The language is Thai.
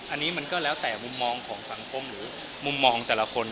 อันนี้มันก็แล้วแต่มุมมองของสังคมหรือมุมมองของแต่ละคน